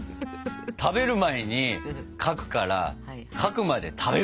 食べる前に描くから描くまで食べるな。